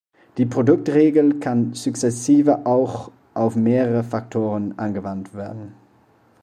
Die Produktregel kann sukzessive auch auf mehrere Faktoren angewandt werden.